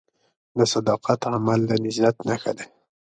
د صداقت عمل د عزت نښه ده.